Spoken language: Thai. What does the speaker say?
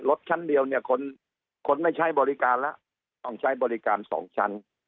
ชั้นเดียวเนี่ยคนไม่ใช้บริการแล้วต้องใช้บริการ๒ชั้น